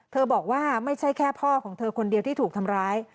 บอกว่าไม่ใช่แค่พ่อของเธอคนเดียวที่ถูกทำร้าย